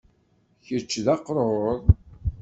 kečč d aqrur?